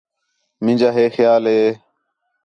مینجا ہے خیال ہے